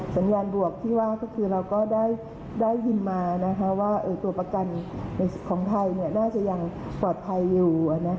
สัญญาณบวกที่ว่าก็คือเราก็ได้ยินมาว่าตัวประกันของไทยน่าจะยังปลอดภัยอยู่